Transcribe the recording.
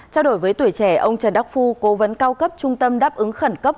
trao đổi với tuổi trẻ ông trần đắc phu cố vấn cao cấp trung tâm đáp ứng khẩn cấp